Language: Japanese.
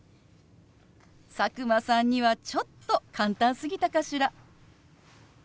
佐久間さんにはちょっと簡単すぎたかしら。